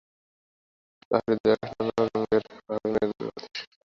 তাহার হৃদয়াকাশে নানারঙের ভাবের মেঘ উড়ো-বাতাসে ভাসিয়া বেড়াইতে লাগিল।